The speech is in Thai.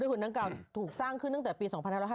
หุ่นดังกล่าวถูกสร้างขึ้นตั้งแต่ปี๒๕๕๙